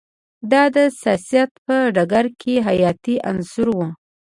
دا د سیاست په ډګر کې حیاتی عنصر و